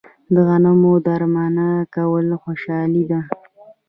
د غنمو درمند کول خوشحالي ده.